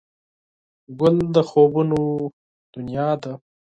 ګل د خوبونو دنیا ده.